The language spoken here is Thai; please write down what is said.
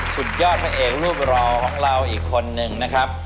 สุดยอดพระเอกรูปรอของเราอีกคนนึงนะครับ